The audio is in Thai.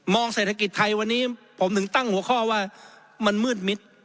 เศรษฐกิจไทยวันนี้ผมถึงตั้งหัวข้อว่ามันมืดมิด